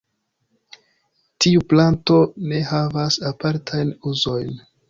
Tiu planto ne havas apartajn uzojn.